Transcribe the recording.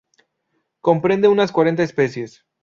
Comprende unas cuarenta especies.